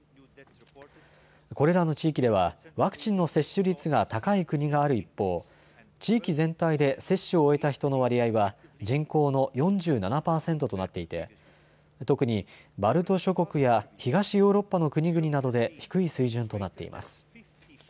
これらの地域ではワクチンの接種率が高い国がある一方、地域全体で接種を終えた人の割合は人口の４７％となっていて特にバルト諸国や東ヨーロッパの国々などで低い水準となっています。